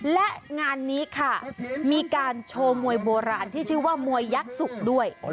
และงานนี้ค่ะมีการโชว์มวยโบราณที่ชื่อว่ามวยยักษุกด้วย